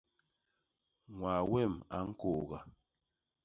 Ñwaa wem a ñkôôga.